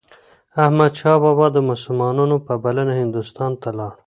احمدشاه بابا د مسلمانانو په بلنه هندوستان ته لاړ.